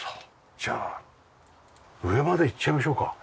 じゃあ上まで行っちゃいましょうか。